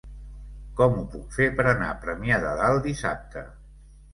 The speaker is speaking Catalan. Com ho puc fer per anar a Premià de Dalt dissabte?